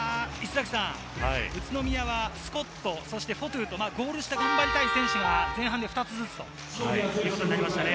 いや、石崎さん、宇都宮はスコット、フォトゥとゴール下で踏ん張りたい選手が前半で２つずつということになりましたね。